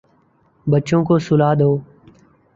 بچوں کو سلا دو